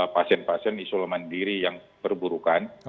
pasien pasien isoleman diri yang perburukan